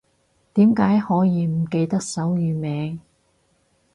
點解可以唔記得手語名